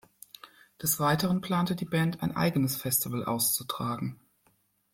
Des Weiteren plante die Band ein eigenes Festival auszutragen.